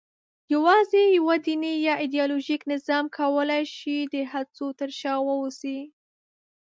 یواځې یوه دیني یا ایدیالوژیک نظام کولای شوای د هڅو تر شا واوسي.